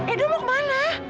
edo mau kemana